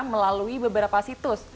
melalui beberapa situs